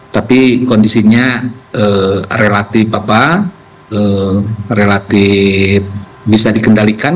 tapi kondisinya relatif bisa dikendalikan